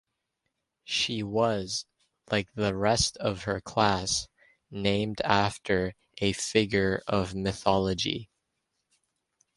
She was, like the rest of her class, named after a figure of mythology.